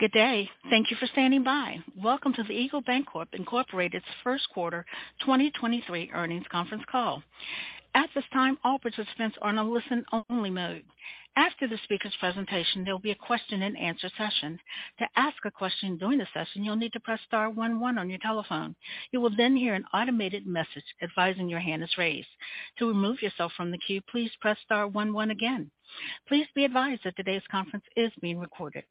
Good day. Thank you for standing by. Welcome to the Eagle Bancorp Incorporated's first quarter 2023 earnings conference call. At this time, all participants are in a listen only mode. After the speaker's presentation, there'll be a question-and-answer session. To ask a question during the session, you'll need to press star one one on your telephone. You will then hear an automated message advising your hand is raised. To remove yourself from the queue, please press star one one again. Please be advised that today's conference is being recorded.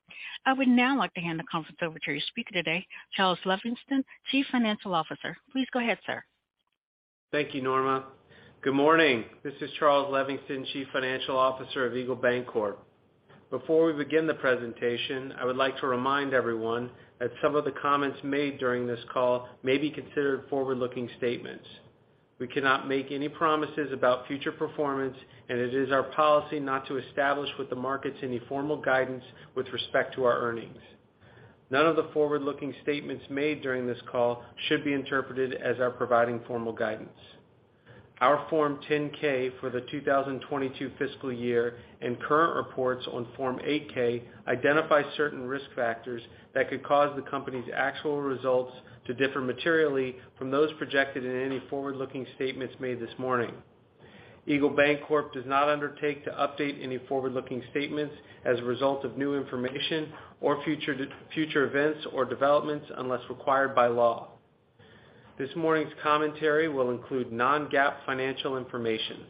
I would now like to hand the conference over to your speaker today, Charles Levingston, Chief Financial Officer. Please go ahead, sir. Thank you, Norma. Good morning. This is Charles Levingston, Chief Financial Officer of Eagle Bancorp. Before we begin the presentation, I would like to remind everyone that some of the comments made during this call may be considered forward-looking statements. We cannot make any promises about future performance, and it is our policy not to establish with the markets any formal guidance with respect to our earnings. None of the forward-looking statements made during this call should be interpreted as our providing formal guidance. Our Form 10-K for the 2022 fiscal year and current reports on Form 8-K identify certain risk factors that could cause the company's actual results to differ materially from those projected in any forward-looking statements made this morning. Eagle Bancorp does not undertake to update any forward-looking statements as a result of new information or future events or developments unless required by law. This morning's commentary will include Non-GAAP financial information.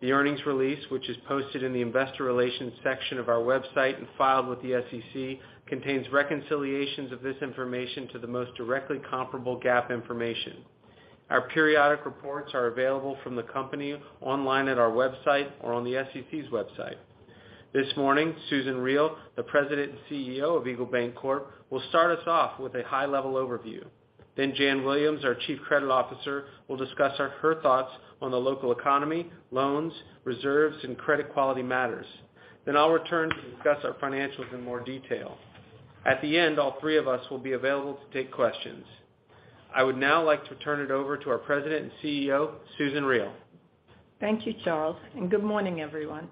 The earnings release, which is posted in the investor relations section of our website and filed with the SEC, contains reconciliations of this information to the most directly comparable GAAP information. Our periodic reports are available from the company online at our website or on the SEC's website. This morning, Susan Riel, the President and CEO of Eagle Bancorp, will start us off with a high-level overview. Jan Williams, our Chief Credit Officer, will discuss her thoughts on the local economy, loans, reserves, and credit quality matters. I'll return to discuss our financials in more detail. At the end, all three of us will be available to take questions. I would now like to turn it over to our President and CEO, Susan Riel. Thank you, Charles, and good morning, everyone.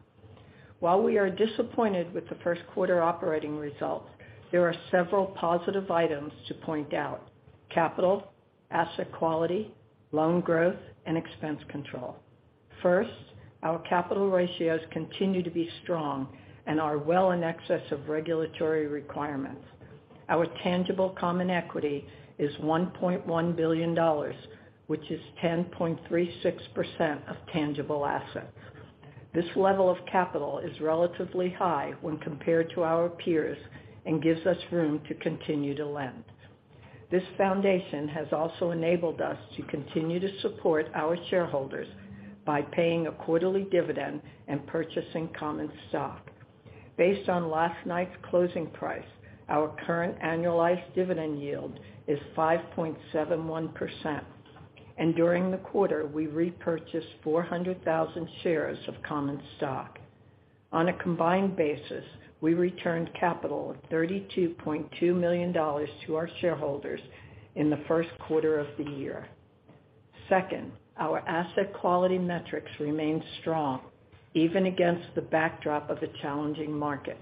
While we are disappointed with the first quarter operating results, there are several positive items to point out: capital, asset quality, loan growth, and expense control. First, our capital ratios continue to be strong and are well in excess of regulatory requirements. Our tangible common equity is $1.1 billion, which is 10.36% of tangible assets. This level of capital is relatively high when compared to our peers and gives us room to continue to lend. This foundation has also enabled us to continue to support our shareholders by paying a quarterly dividend and purchasing common stock. Based on last night's closing price, our current annualized dividend yield is 5.71%, and during the quarter, we repurchased 400,000 shares of common stock. On a combined basis, we returned capital of $32.2 million to our shareholders in the first quarter of the year. Second, our asset quality metrics remained strong, even against the backdrop of a challenging market.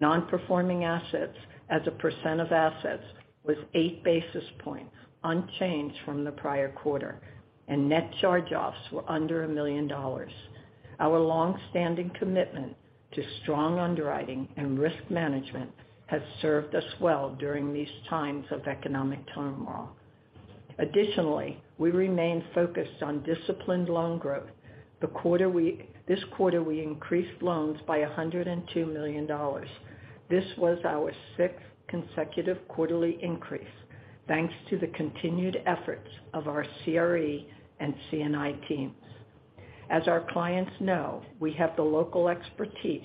Non-performing assets as a percent of assets was 8 basis points, unchanged from the prior quarter. Net charge-offs were under $1 million. Our longstanding commitment to strong underwriting and risk management has served us well during these times of economic turmoil. Additionally, we remain focused on disciplined loan growth. This quarter we increased loans by $102 million. This was our sixth consecutive quarterly increase, thanks to the continued efforts of our CRE and C&I teams. As our clients know, we have the local expertise,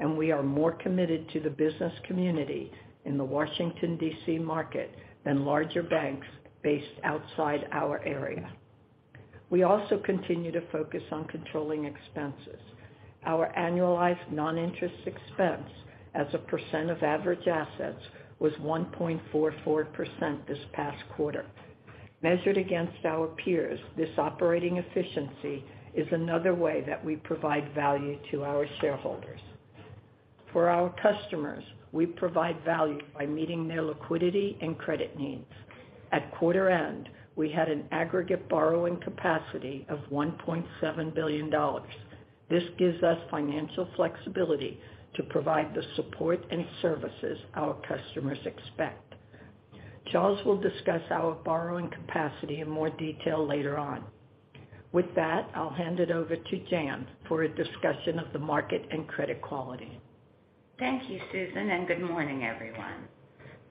and we are more committed to the business community in the Washington, D.C. market than larger banks based outside our area. We also continue to focus on controlling expenses. Our annualized non-interest expense as a percent of average assets was 1.44% this past quarter. Measured against our peers, this operating efficiency is another way that we provide value to our shareholders. For our customers, we provide value by meeting their liquidity and credit needs. At quarter end, we had an aggregate borrowing capacity of $1.7 billion. This gives us financial flexibility to provide the support and services our customers expect. Charles will discuss our borrowing capacity in more detail later on. With that, I'll hand it over to Jan for a discussion of the market and credit quality. Thank you, Susan. Good morning, everyone.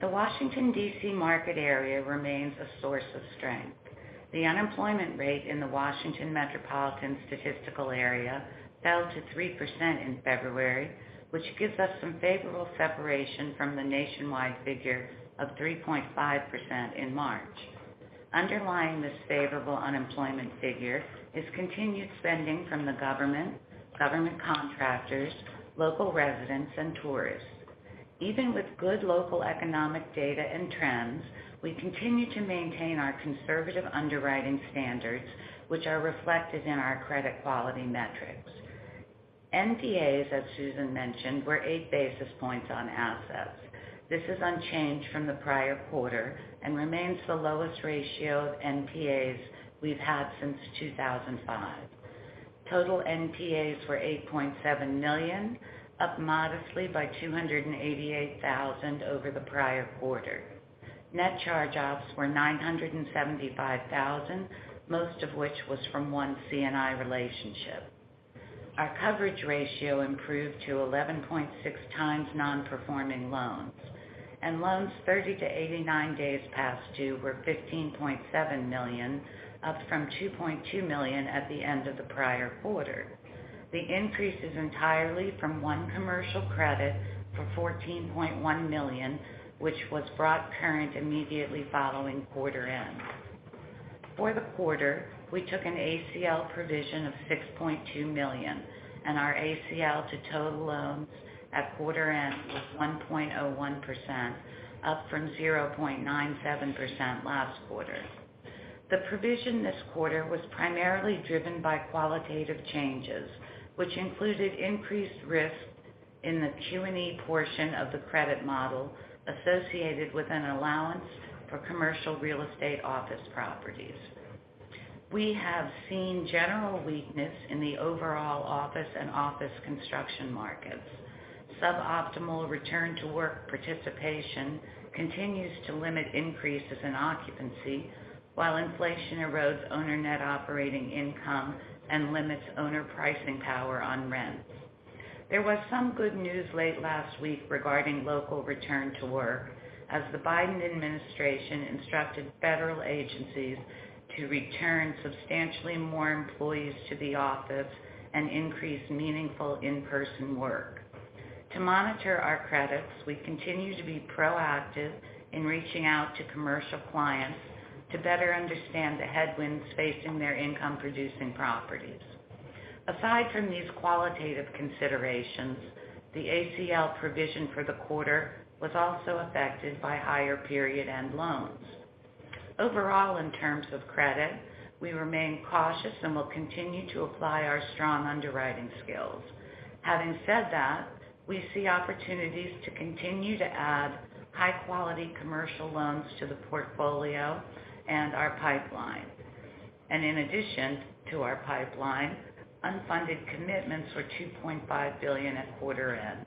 The Washington, D.C. market area remains a source of strength. The unemployment rate in the Washington metropolitan statistical area fell to 3% in February, which gives us some favorable separation from the nationwide figure of 3.5% in March. Underlying this favorable unemployment figure is continued spending from the government contractors, local residents, and tourists. Even with good local economic data and trends, we continue to maintain our conservative underwriting standards, which are reflected in our credit quality metrics. NPAs, as Susan mentioned, were 8 basis points on assets. This is unchanged from the prior quarter and remains the lowest ratio of NPAs we've had since 2005. Total NPAs were $8.7 million, up modestly by $288,000 over the prior quarter. Net charge-offs were $975,000, most of which was from one C&I relationship. Our coverage ratio improved to 11.6 times non-performing loans and loans 30-89 days past due were $15.7 million, up from $2.2 million at the end of the prior quarter. The increase is entirely from one commercial credit for $14.1 million, which was brought current immediately following quarter end. For the quarter, we took an ACL provision of $6.2 million and our ACL to total loans at quarter end was 1.01%, up from 0.97% last quarter. The provision this quarter was primarily driven by qualitative changes, which included increased risk in the Q&E portion of the credit model associated with an allowance for commercial real estate office properties. We have seen general weakness in the overall office and office construction markets. Suboptimal return to work participation continues to limit increases in occupancy, while inflation erodes owner net operating income and limits owner pricing power on rents. There was some good news late last week regarding local return to work as the Biden administration instructed federal agencies to return substantially more employees to the office and increase meaningful in-person work. To monitor our credits, we continue to be proactive in reaching out to commercial clients to better understand the headwinds facing their income producing properties. Aside from these qualitative considerations, the ACL provision for the quarter was also affected by higher period end loans. Overall, in terms of credit, we remain cautious and will continue to apply our strong underwriting skills. Having said that, we see opportunities to continue to add high quality commercial loans to the portfolio and our pipeline. In addition to our pipeline, unfunded commitments were $2.5 billion at quarter end.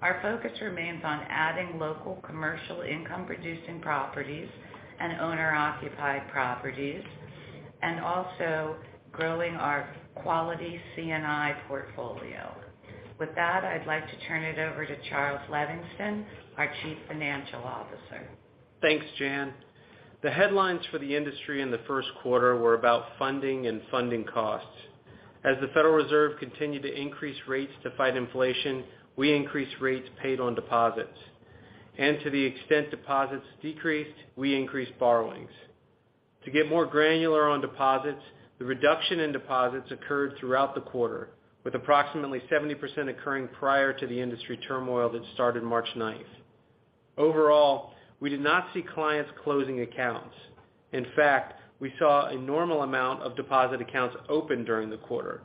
Our focus remains on adding local commercial income producing properties and owner-occupied properties, also growing our quality C&I portfolio. With that, I'd like to turn it over to Charles Levingston, our Chief Financial Officer. Thanks, Jan. The headlines for the industry in the first quarter were about funding and funding costs. As the Federal Reserve continued to increase rates to fight inflation, we increased rates paid on deposits. To the extent deposits decreased, we increased borrowings. To get more granular on deposits, the reduction in deposits occurred throughout the quarter, with approximately 70% occurring prior to the industry turmoil that started March 9th. Overall, we did not see clients closing accounts. In fact, we saw a normal amount of deposit accounts open during the quarter,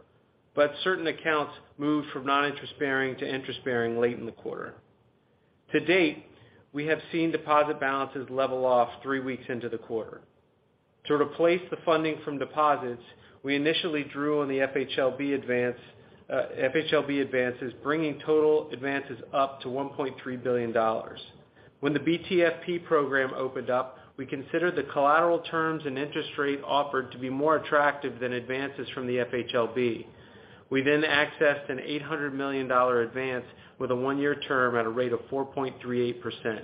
but certain accounts moved from non-interest bearing to interest bearing late in the quarter. To date, we have seen deposit balances level off three weeks into the quarter. To replace the funding from deposits, we initially drew on the FHLB advances, bringing total advances up to $1.3 billion. When the BTFP program opened up, we considered the collateral terms and interest rate offered to be more attractive than advances from the FHLB. We accessed an $800 million advance with a one-year term at a rate of 4.38%.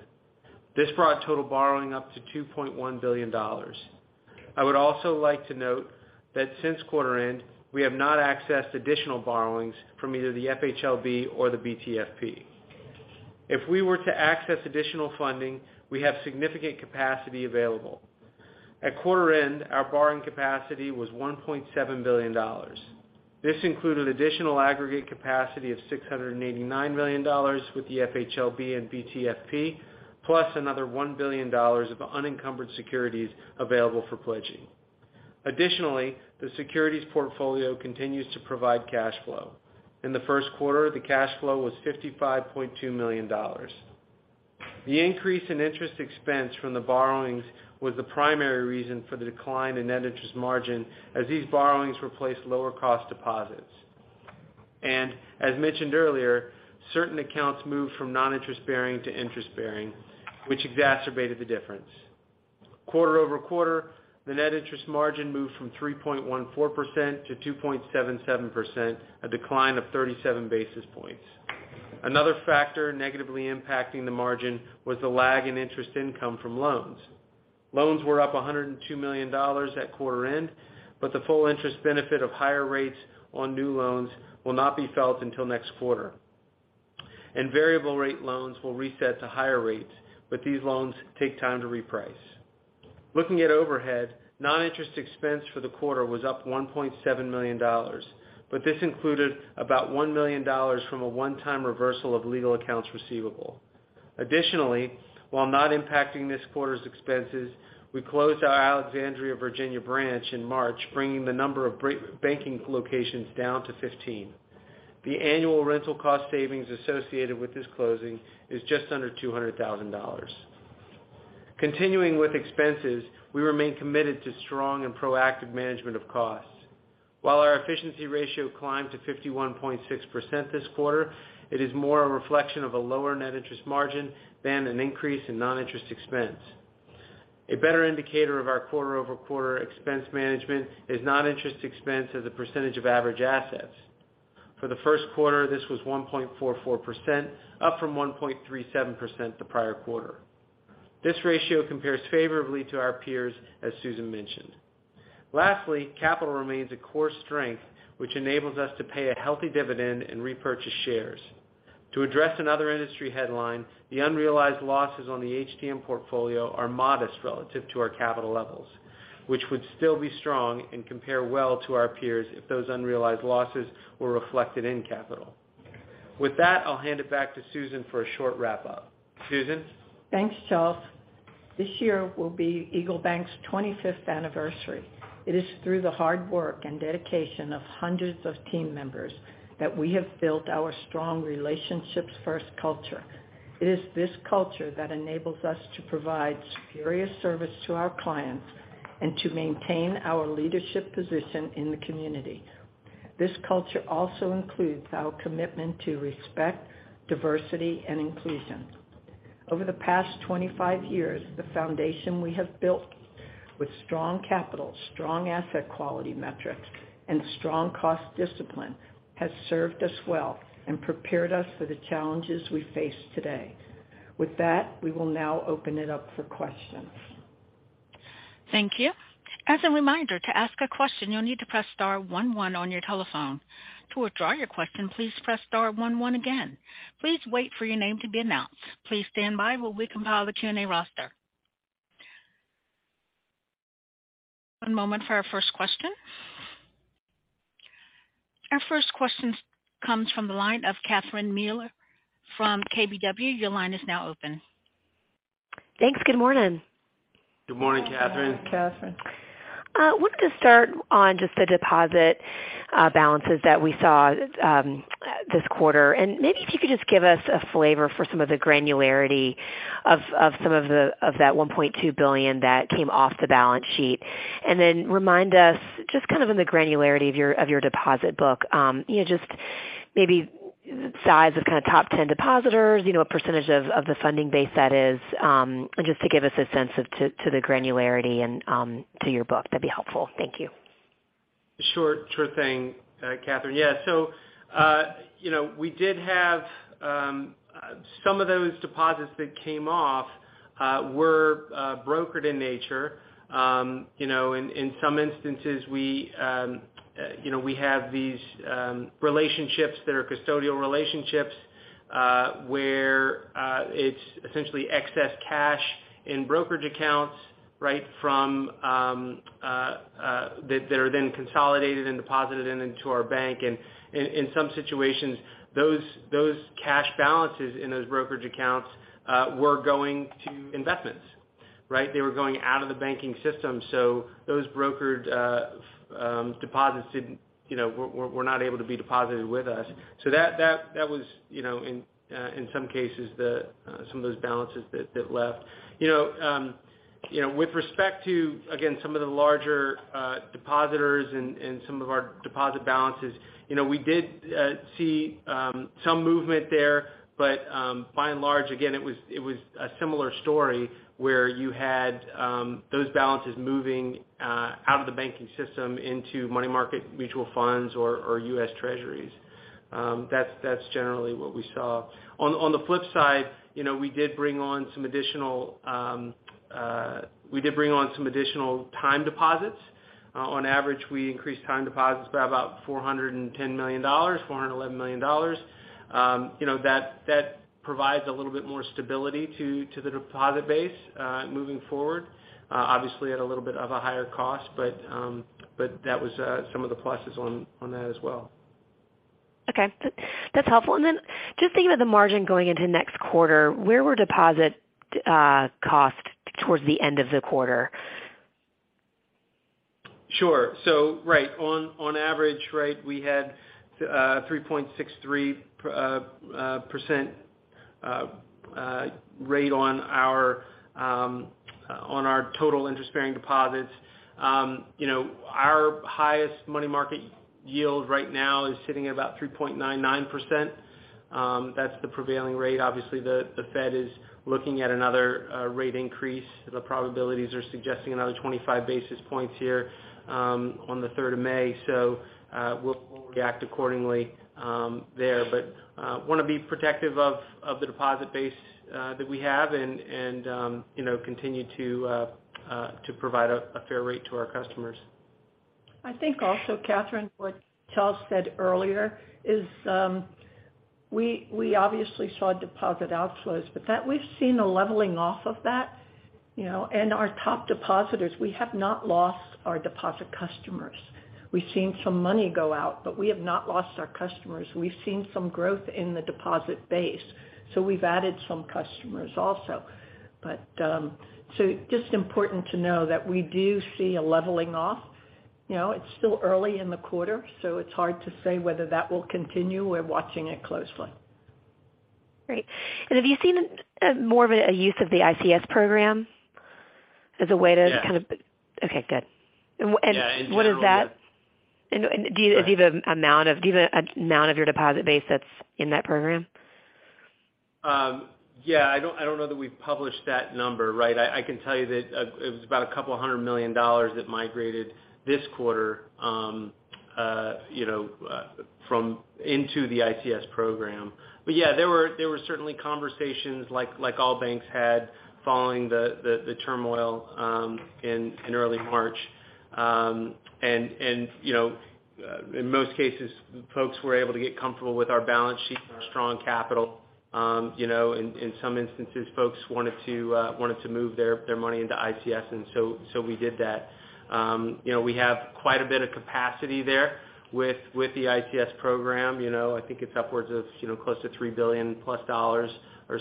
This brought total borrowing up to $2.1 billion. I would also like to note that since quarter end, we have not accessed additional borrowings from either the FHLB or the BTFP. If we were to access additional funding, we have significant capacity available. At quarter end, our borrowing capacity was $1.7 billion. This included additional aggregate capacity of $689 million with the FHLB and BTFP, plus another $1 billion of unencumbered securities available for pledging. Additionally, the securities portfolio continues to provide cash flow. In the first quarter, the cash flow was $55.2 million. The increase in interest expense from the borrowings was the primary reason for the decline in net interest margin as these borrowings replaced lower cost deposits. As mentioned earlier, certain accounts moved from non-interest bearing to interest bearing, which exacerbated the difference. Quarter-over-quarter, the net interest margin moved from 3.14% to 2.77%, a decline of 37 basis points. Another factor negatively impacting the margin was the lag in interest income from loans. Loans were up $102 million at quarter end, but the full interest benefit of higher rates on new loans will not be felt until next quarter. Variable rate loans will reset to higher rates, but these loans take time to reprice. Looking at overhead, non-interest expense for the quarter was up $1.7 million, but this included about $1 million from a one-time reversal of legal accounts receivable. Additionally, while not impacting this quarter's expenses, we closed our Alexandria, Virginia branch in March, bringing the number of banking locations down to 15. The annual rental cost savings associated with this closing is just under $200,000. Continuing with expenses, we remain committed to strong and proactive management of costs. While our efficiency ratio climbed to 51.6% this quarter, it is more a reflection of a lower net interest margin than an increase in non-interest expense. A better indicator of our quarter-over-quarter expense management is non-interest expense as a percent of average assets. For the first quarter, this was 1.44%, up from 1.37% the prior quarter. This ratio compares favorably to our peers, as Susan mentioned. Lastly, capital remains a core strength, which enables us to pay a healthy dividend and repurchase shares. To address another industry headline, the unrealized losses on the HTM portfolio are modest relative to our capital levels, which would still be strong and compare well to our peers if those unrealized losses were reflected in capital. With that, I'll hand it back to Susan for a short wrap-up. Susan? Thanks, Charles. This year will be EagleBank's 25th anniversary. It is through the hard work and dedication of hundreds of team members that we have built our strong relationships first culture. It is this culture that enables us to provide superior service to our clients and to maintain our leadership position in the community. This culture also includes our commitment to respect diversity and inclusion. Over the past 25 years, the foundation we have built with strong capital, strong asset quality metrics, and strong cost discipline has served us well and prepared us for the challenges we face today. We will now open it up for questions. Thank you. As a reminder, to ask a question, you'll need to press star one one on your telephone. To withdraw your question, please press star one one again. Please wait for your name to be announced. Please stand by while we compile the Q&A roster. One moment for our first question. Our first question comes from the line of Catherine Mealor from KBW. Your line is now open. Thanks. Good morning. Good morning, Catherine. Good morning, Catherine. Wanted to start on just the deposit balances that we saw this quarter. Maybe if you could just give us a flavor for some of the granularity of that $1.2 billion that came off the balance sheet. Then remind us just kind of in the granularity of your, of your deposit book, you know, just maybe size of kind of top 10 depositors, you know, a percentage of the funding base that is, just to give us a sense of to the granularity and to your book. That'd be helpful. Thank you. Sure. Sure thing, Catherine. Yeah. You know, we did have some of those deposits that came off were brokered in nature. You know, in some instances we, you know, we have these relationships that are custodial relationships, where it's essentially excess cash in brokerage accounts, right, from that are then consolidated and deposited into our bank. In some situations, those cash balances in those brokerage accounts were going to investments, right? They were going out of the banking system. Those brokered deposits didn't, you know, were not able to be deposited with us. That was, you know, in some cases the some of those balances that left. You know, you know, with respect to, again, some of the larger depositors and some of our deposit balances, you know, we did see some movement there. By and large, again, it was a similar story, where you had those balances moving out of the banking system into money market mutual funds or U.S. Treasuries. That's generally what we saw. On the flip side, you know, we did bring on some additional time deposits. On average, we increased time deposits by about $410 million, $411 million. You know, that provides a little bit more stability to the deposit base moving forward. obviously at a little bit of a higher cost, but that was some of the pluses on that as well. Okay. That's helpful. Just thinking of the margin going into next quarter, where were deposit costs towards the end of the quarter? Sure. Right on average, right, we had 3.63% rate on our total interest-bearing deposits. You know, our highest money market yield right now is sitting at about 3.99%. That's the prevailing rate. Obviously, the Fed is looking at another rate increase. The probabilities are suggesting another 25 basis points here on the 3rd of May. We'll react accordingly there. Want to be protective of the deposit base that we have and, you know, continue to provide a fair rate to our customers. I think also, Catherine, what Charles said earlier is, we obviously saw deposit outflows, but that we've seen a leveling off of that. You know, our top depositors, we have not lost our deposit customers. We've seen some money go out, but we have not lost our customers. We've seen some growth in the deposit base, so we've added some customers also. Just important to know that we do see a leveling off. You know, it's still early in the quarter, so it's hard to say whether that will continue. We're watching it closely. Great. Have you seen more of a use of the ICS program as a way to? Yes. Okay, good. Yeah. What is that? Uh. Do you have an amount of your deposit base that's in that program? Yeah, I don't know that we've published that number, right? I can tell you that it was about $200 million that migrated this quarter, you know, from into the ICS program. Yeah, there were certainly conversations like all banks had following the turmoil in early March. You know, in most cases, folks were able to get comfortable with our balance sheet and our strong capital. You know, in some instances, folks wanted to move their money into ICS, so we did that. You know, we have quite a bit of capacity there with the ICS program. You know, I think it's upwards of, you know, close to $3 billion+ or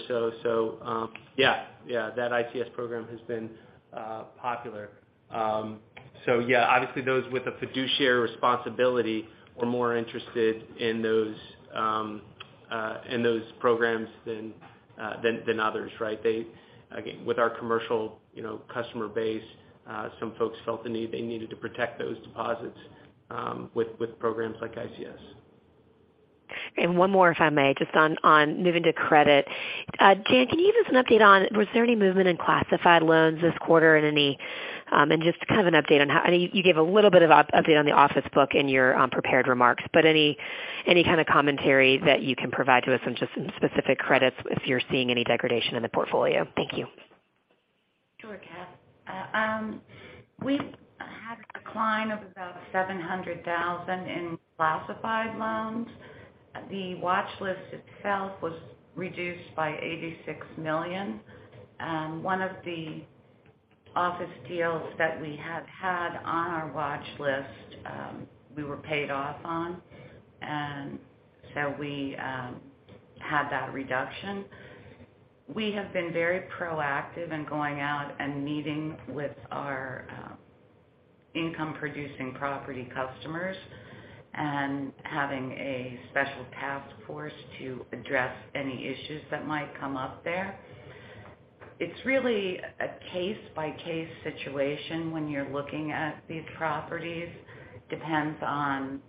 so. Yeah, that ICS program has been popular. Yeah, obviously those with a fiduciary responsibility were more interested in those programs than others, right? They, again, with our commercial, you know, customer base, some folks felt the need, they needed to protect those deposits with programs like ICS. One more, if I may, just on moving to credit. Jan, can you give us an update on was there any movement in classified loans this quarter and just kind of an update on I know you gave a little bit of update on the office book in your prepared remarks, but any kind of commentary that you can provide to us on just some specific credits if you're seeing any degradation in the portfolio? Thank you. Sure, Cath. We had a decline of about $700,000 in classified loans. The watch list itself was reduced by $86 million. One of the office deals that we have had on our watch list, we were paid off on. We had that reduction. We have been very proactive in going out and meeting with our income producing property customers and having a special task force to address any issues that might come up there. It's really a case-by-case situation when you're looking at these properties. Depends on,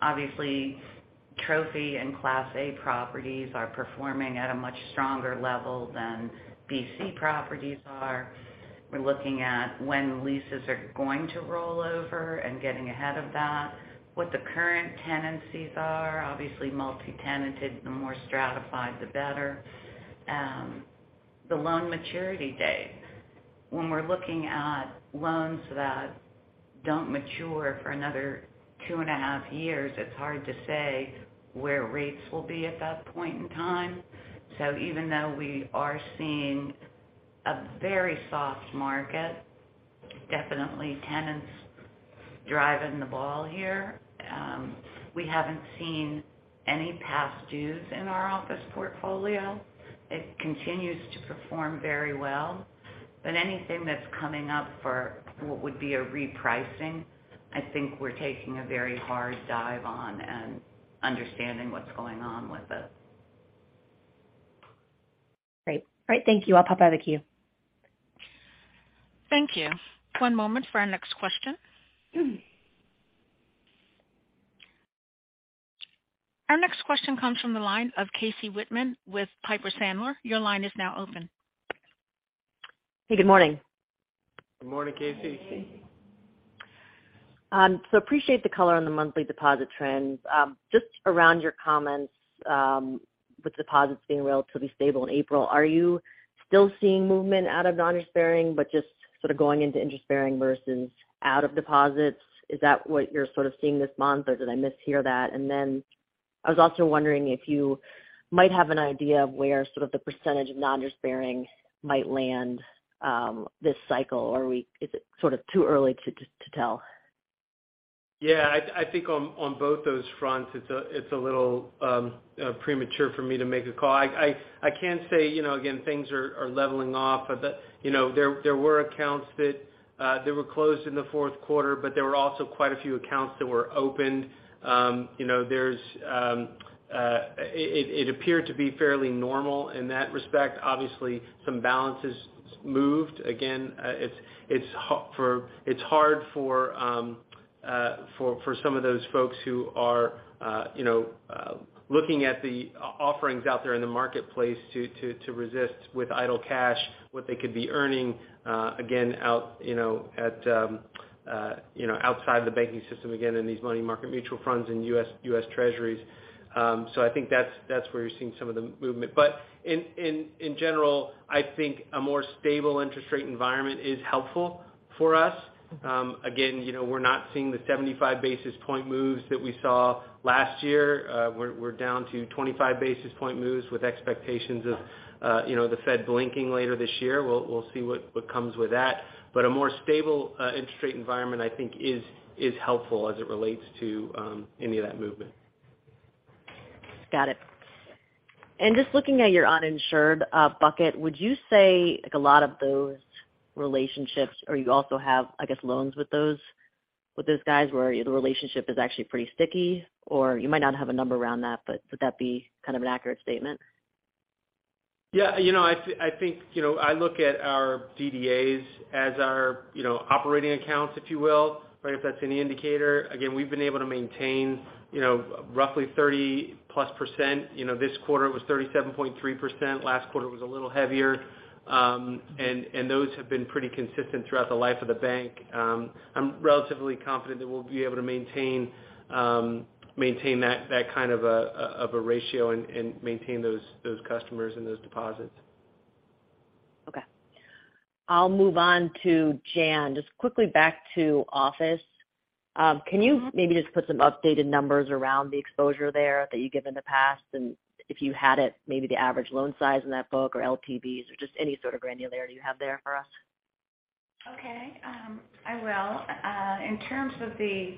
obviously, trophy and class A properties are performing at a much stronger level than BC properties are. We're looking at when leases are going to roll over and getting ahead of that. What the current tenancies are, obviously multi-tenanted, the more stratified the better. The loan maturity date. When we're looking at loans that don't mature for another two and a half years, it's hard to say where rates will be at that point in time. Even though we are seeing a very soft market, definitely tenants driving the ball here, we haven't seen any past dues in our office portfolio. It continues to perform very well. Anything that's coming up for what would be a repricing, I think we're taking a very hard dive on and understanding what's going on with it. Great. All right. Thank you. I'll pop out of the queue. Thank you. One moment for our next question. Our next question comes from the line of Casey Whitman with Piper Sandler. Your line is now open. Hey, good morning. Good morning, Casey. Appreciate the color on the monthly deposit trends. Just around your comments, with deposits being relatively stable in April, are you still seeing movement out of non-interest bearing but just sort of going into interest bearing versus out of deposits? Is that what you're sort of seeing this month, or did I mishear that? I was also wondering if you might have an idea of where sort of the percentage of non-interest bearing might land, this cycle, or is it sort of too early to tell? Yeah, I think on both those fronts, it's a little premature for me to make a call. I can say, you know, again, things are leveling off. You know, there were accounts that they were closed in the fourth quarter, but there were also quite a few accounts that were opened. You know, there's, it appeared to be fairly normal in that respect. Obviously, some balances moved. Again, it's hard for some of those folks who are, you know, looking at the offerings out there in the marketplace to resist with idle cash, what they could be earning, again, out, you know, at, you know, outside the banking system again in these money market mutual funds in U.S. Treasuries. I think that's where you're seeing some of the movement. In general, I think a more stable interest rate environment is helpful for us. Again, you know, we're not seeing the 75 basis point moves that we saw last year. We're down to 25 basis point moves with expectations of, you know, the Fed blinking later this year. We'll see what comes with that. A more stable interest rate environment, I think is helpful as it relates to any of that movement. Got it. Just looking at your uninsured bucket, would you say like a lot of those relationships or you also have, I guess, loans with those, with those guys where the relationship is actually pretty sticky, or you might not have a number around that, but would that be kind of an accurate statement? Yeah. You know, I think, you know, I look at our DDAs as our, you know, operating accounts, if you will. Right? If that's any indicator. Again, we've been able to maintain, you know, roughly 30%+. You know, this quarter it was 37.3%. Last quarter it was a little heavier. And those have been pretty consistent throughout the life of the bank. I'm relatively confident that we'll be able to maintain that kind of a, of a ratio and maintain those customers and those deposits. Okay. I'll move on to Jan. Just quickly back to office. Can you maybe just put some updated numbers around the exposure there that you gave in the past, if you had it, maybe the average loan size in that book or LTVs or just any sort of granularity you have there for us? I will. In terms of the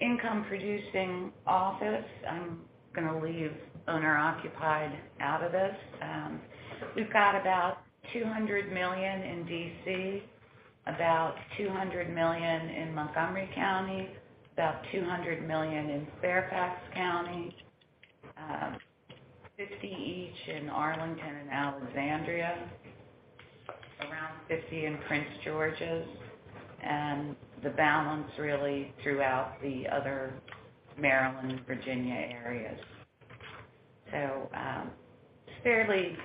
income producing office, I'm gonna leave owner occupied out of this. We've got about $200 million in D.C., about $200 million in Montgomery County, about $200 million in Fairfax County, $50 each in Arlington and Alexandria, around $50 in Prince George's, and the balance really throughout the other Maryland, Virginia areas. It's fairly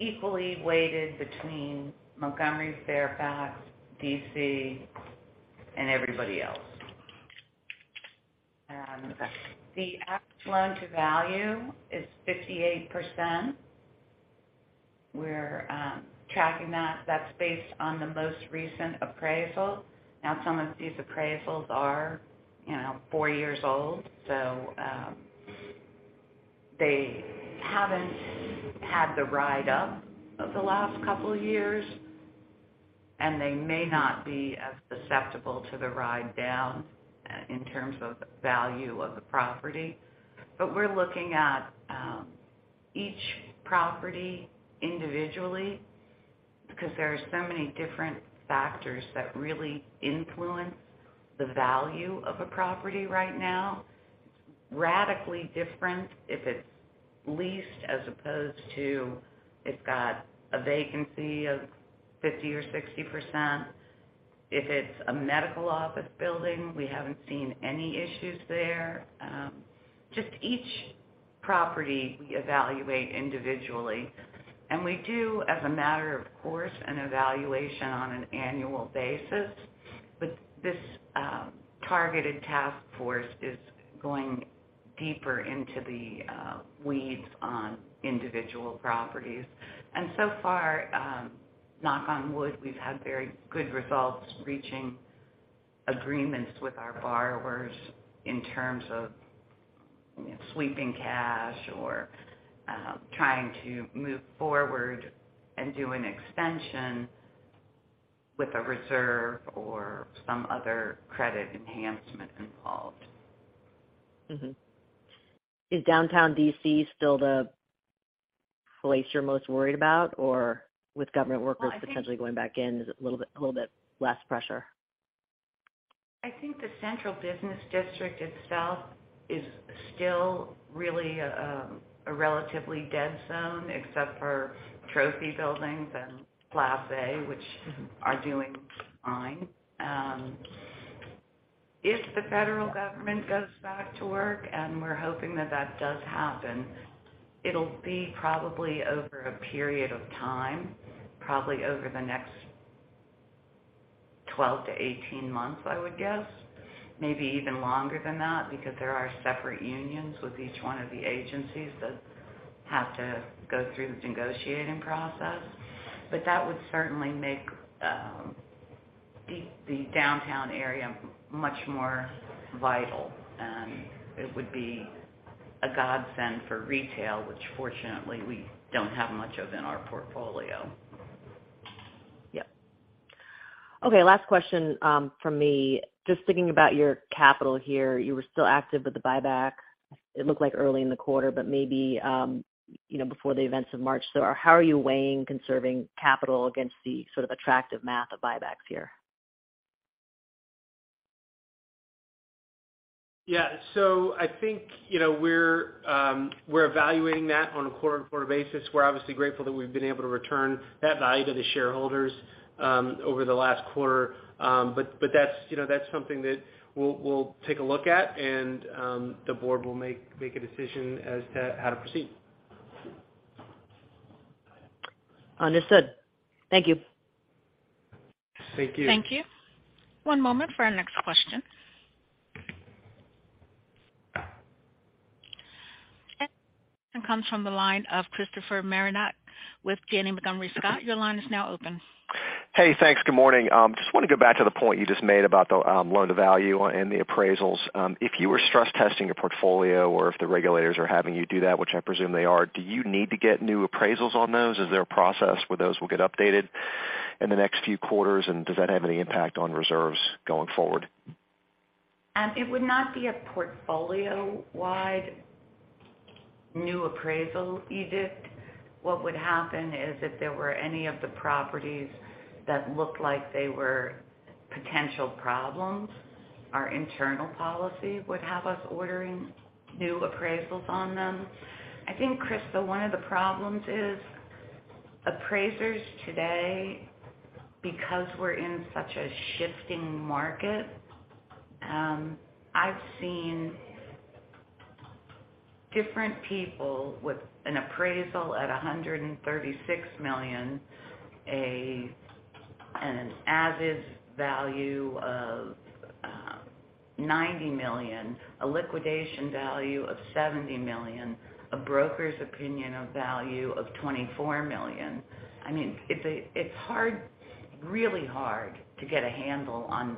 equally weighted between Montgomery, Fairfax, D.C., and everybody else. The average loan-to-value is 58%. We're tracking that. That's based on the most recent appraisal. Some of these appraisals are, you know, four years old, they haven't had the ride up of the last couple of years, and they may not be as susceptible to the ride down in terms of value of the property. We're looking at each property individually because there are so many different factors that really influence the value of a property right now. It's radically different if it's leased as opposed to it's got a vacancy of 50% or 60%. If it's a medical office building, we haven't seen any issues there. Just each property we evaluate individually, and we do as a matter of course, an evaluation on an annual basis. This targeted task force is going deeper into the weeds on individual properties. So far, knock on wood, we've had very good results reaching agreements with our borrowers in terms of sweeping cash or trying to move forward and do an extension with a reserve or some other credit enhancement involved. Is downtown D.C. still the place you're most worried about, or with government workers potentially going back in, is it a little bit less pressure? I think the central business district itself is still really a relatively dead zone except for trophy buildings and Class A, which are doing fine. If the federal government goes back to work, and we're hoping that that does happen, it'll be probably over a period of time, probably over the next 12-18 months, I would guess. Maybe even longer than that because there are separate unions with each one of the agencies that have to go through the negotiating process. That would certainly make the downtown area much more vital. It would be a godsend for retail, which fortunately we don't have much of in our portfolio. Yep. Okay, last question from me. Just thinking about your capital here, you were still active with the buyback, it looked like early in the quarter, but maybe, you know, before the events of March. How are you weighing conserving capital against the sort of attractive math of buybacks here? Yeah. I think, you know, we're evaluating that on a quarter-on-quarter basis. We're obviously grateful that we've been able to return that value to the shareholders, over the last quarter. That's, you know, that's something that we'll take a look at and, the board will make a decision as to how to proceed. Understood. Thank you. Thank you. Thank you. One moment for our next question. Comes from the line of Christopher Marinac with Janney Montgomery Scott. Your line is now open. Thanks. Good morning. Just wanna go back to the point you just made about the Loan-to-Value and the appraisals. If you were stress testing a portfolio or if the regulators are having you do that, which I presume they are, do you need to get new appraisals on those? Is there a process where those will get updated in the next few quarters and does that have any impact on reserves going forward? It would not be a portfolio-wide new appraisal edict. What would happen is if there were any of the properties that looked like they were potential problems, our internal policy would have us ordering new appraisals on them. I think, Chris, though, one of the problems is appraisers today, because we're in such a shifting market, I've seen different people with an appraisal at $136 million, an as is value of $90 million, a liquidation value of $70 million, a broker's opinion of value of $24 million. I mean, it's hard, really hard to get a handle on...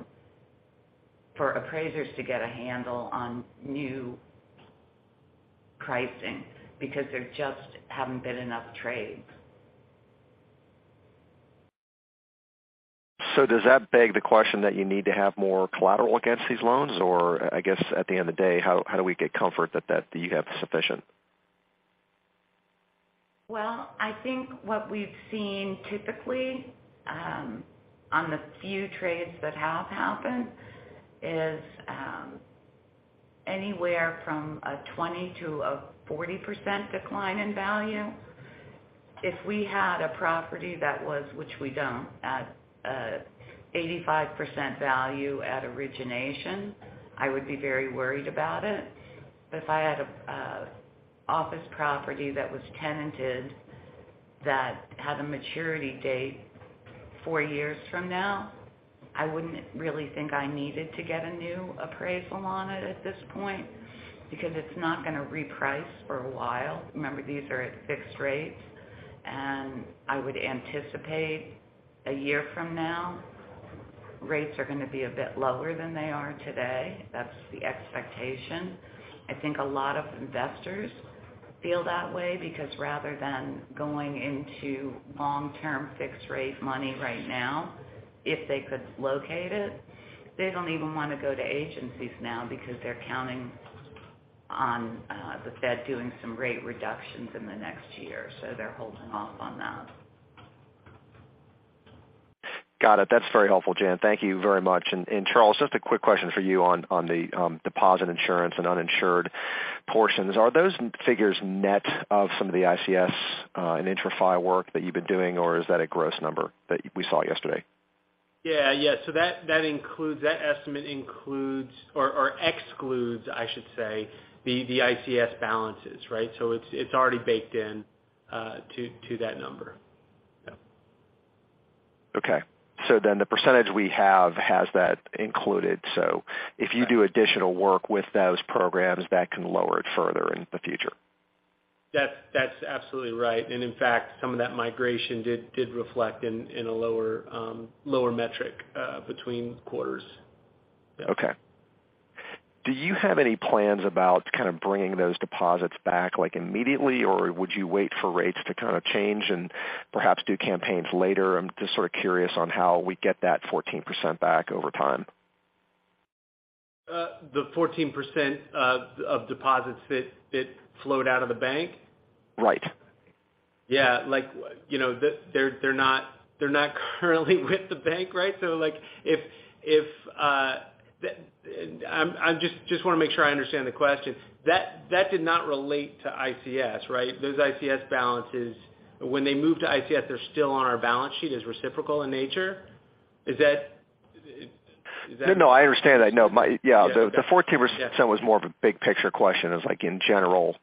for appraisers to get a handle on new pricing because there just haven't been enough trades. Does that beg the question that you need to have more collateral against these loans? Or I guess at the end of the day, how do we get comfort that you have sufficient? Well, I think what we've seen typically, on the few trades that have happened is, anywhere from a 20%-40% decline in value. If we had a property that was, which we don't, at 85% value at origination, I would be very worried about it. If I had a office property that was tenanted that had a maturity date four years from now, I wouldn't really think I needed to get a new appraisal on it at this point because it's not gonna reprice for a while. Remember, these are at fixed rates. I would anticipate one year from now, rates are gonna be a bit lower than they are today. That's the expectation. I think a lot of investors feel that way because rather than going into long-term fixed rate money right now, if they could locate it, they don't even wanna go to agencies now because they're counting on the Fed doing some rate reductions in the next year. They're holding off on that. Got it. That's very helpful, Jan. Thank you very much. Charles, just a quick question for you on the, deposit insurance and uninsured portions. Are those figures net of some of the ICS, and IntraFi work that you've been doing, or is that a gross number that we saw yesterday? Yeah. Yeah. That estimate includes or excludes, I should say, the ICS balances, right? It's already baked in to that number. Yeah. Okay. The percentage we have has that included. If you do additional work with those programs, that can lower it further in the future. That's absolutely right. In fact, some of that migration did reflect in a lower metric between quarters. Yeah. Okay. Do you have any plans about kind of bringing those deposits back, like, immediately? Would you wait for rates to kind of change and perhaps do campaigns later? I'm just sort of curious on how we get that 14% back over time. The 14% of deposits that flowed out of the bank? Right. Yeah. Like, you know, they're not, they're not currently with the bank, right? Like, if... I'm just wanna make sure I understand the question. That, that did not relate to ICS, right? Those ICS balances, when they move to ICS, they're still on our balance sheet as reciprocal in nature. Is that... Is that- No, no, I understand that. No. Yeah. Yeah. The 14% was more of a big picture question. It's like in general,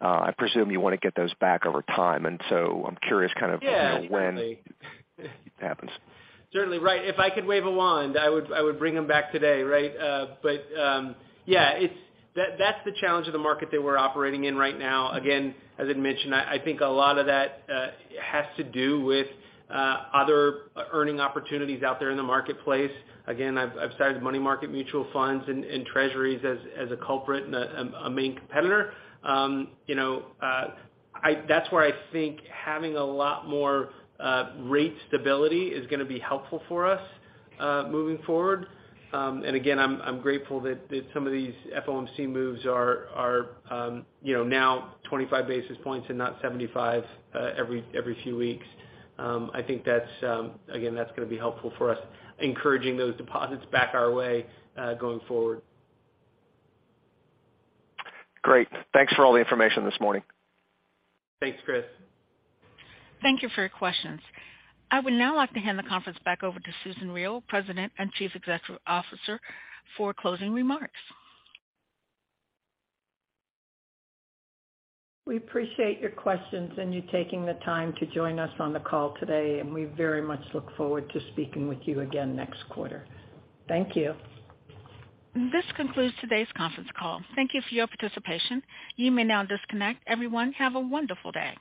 I presume you wanna get those back over time. I'm curious kind of, you know. Yeah. it happens. Certainly. Right. If I could wave a wand, I would bring them back today, right? Yeah. That's the challenge of the market that we're operating in right now. Again, as I'd mentioned, I think a lot of that has to do with other earning opportunities out there in the marketplace. Again, I've cited money market mutual funds and treasuries as a culprit and a main competitor. You know, that's where I think having a lot more rate stability is gonna be helpful for us moving forward. Again, I'm grateful that some of these FOMC moves are, you know, now 25 basis points and not 75 every few weeks. I think that's, again, that's gonna be helpful for us encouraging those deposits back our way, going forward. Great. Thanks for all the information this morning. Thanks, Chris. Thank you for your questions. I would now like to hand the conference back over to Susan Riel, President and Chief Executive Officer, for closing remarks. We appreciate your questions and you taking the time to join us on the call today. We very much look forward to speaking with you again next quarter. Thank you. This concludes today's conference call. Thank you for your participation. You may now disconnect. Everyone, have a wonderful day.